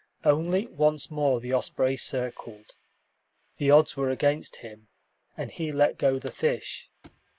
Only once more the osprey circled. The odds were against him, and he let go the fish.